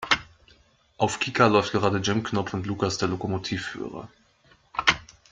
Auf Kika läuft gerade Jim Knopf und Lukas der Lokomotivführer.